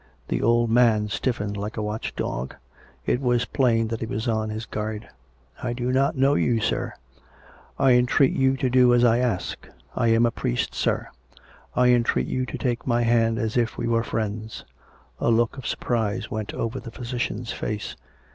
The old man stiffened like a watch dog. It was plain that he was on his guard. " I do not know you, sir." " I entreat you to do as I ask. I am a priest, sir. I entreat you to take my hand as if we were friends." A look of surprise went over the physician's face.